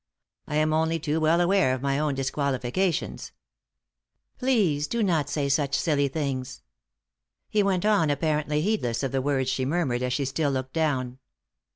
I am only too well aware of my own disqualifications." " Please do not say such silly things." He went on apparently heedless of the words she murmured as she still looked down.